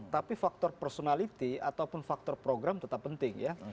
tapi faktor personality ataupun faktor program tetap penting ya